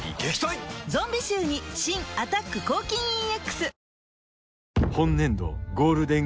ゾンビ臭に新「アタック抗菌ＥＸ」